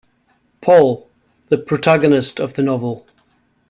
Paul: The protagonist of the novel.